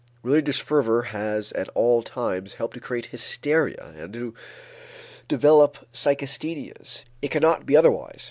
Religious fervor has at all times helped to create hysteria and to develop psychasthenias. It cannot be otherwise.